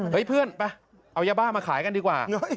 เพื่อนไปเอายาบ้ามาขายกันดีกว่า